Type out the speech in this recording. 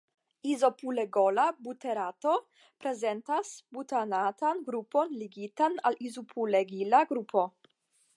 Izopulegola buterato prezentas butanatan grupon ligitan al izopulegila grupo.